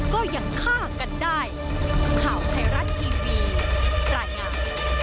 ก็ยังฆ่ากันได้ข่าวไทยรัฐทีวีรายงาน